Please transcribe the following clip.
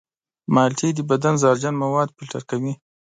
مالټې د بدن زهرجن مواد فلتر کوي.